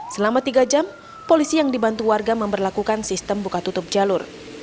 selama tiga jam polisi yang dibantu warga memperlakukan sistem buka tutup jalur